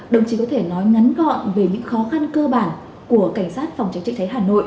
đồng chí có thể nói ngắn gọn về những khó khăn cơ bản của cảnh sát phòng cháy chữa cháy hà nội